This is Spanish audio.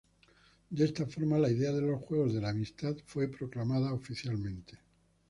De esta forma, la idea de los Juegos de la Amistad fue proclamada oficialmente.